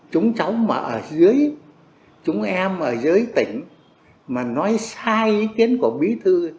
chúng cháu mà ở dưới chúng em ở dưới tỉnh mà nói sai ý kiến của bí thư